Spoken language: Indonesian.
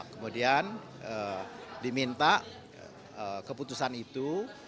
kemudian diminta keputusan itu